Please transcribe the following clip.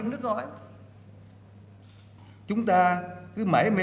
chúng ta cứ mở ra một cái kế hoạch chúng ta cứ mở ra một cái kế hoạch